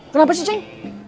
kenapa sih ceng